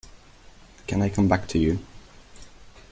Can I come back to you?